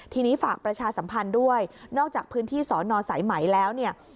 ทีนี้ฝากประชาสัมพันธ์ด้วยนอกจากพื้นที่สอนอสายไหมแล้วเนี่ย